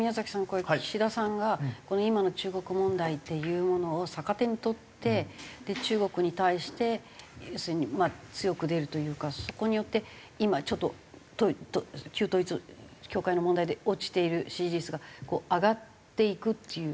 これ岸田さんが今の中国問題っていうものを逆手に取って中国に対して要するに強く出るというかそこによって今ちょっと旧統一教会の問題で落ちている支持率が上がっていくっていう。